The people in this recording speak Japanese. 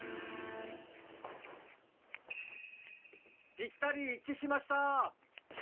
ぴったりいっちしました。